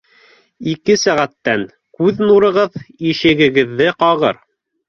Ике сәғәттән күҙ нурығыҙ ишегегеҙҙе ҡағыр